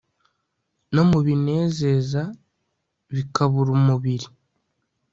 no mu binezeza bikabura umubiri